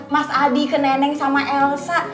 mas adi ke neneng sama elsa